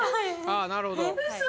あなるほど。